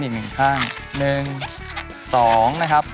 หนึ่งสองนะครับ